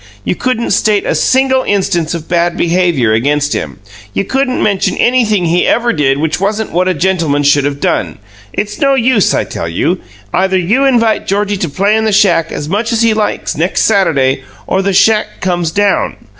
You couldn't state a single instance of bad behaviour against him. You couldn't mention anything he ever did which wasn't what a gentleman should have done. It's no use, I tell you. Either you invite Georgie to play in the shack as much as he likes next Saturday, or the shack comes down."